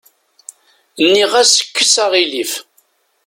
Nniɣ-as kkes aɣilif.